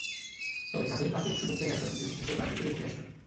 তবে কাজের ফাঁকে সুযোগ পেলে একবার দুজনে দেশের বাইরে থেকে ঘুরে আসবেন।